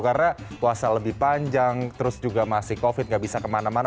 karena puasa lebih panjang terus juga masih covid tidak bisa kemana mana